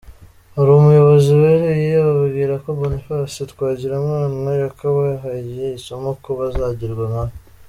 Hari umuyobozi weruye ababwira ko Boniface Twagirimana yakabahaye isomo ko bazagirwa nkawe!